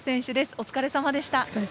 お疲れさまでした。